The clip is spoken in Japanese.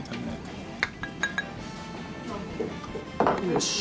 よし。